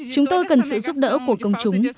chúng tôi cần sự giúp đỡ của công chúng